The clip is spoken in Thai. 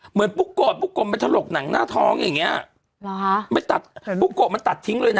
ปุ๊กโกะปุ๊กโกมไปถลกหนังหน้าท้องอย่างเงี้ยหรอฮะไม่ตัดปุ๊กโกะมันตัดทิ้งเลยนะ